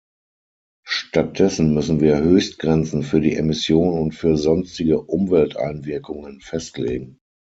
Stattdessen müssen wir Höchstgrenzen für die Emission und für sonstige Umwelteinwirkungen festlegen.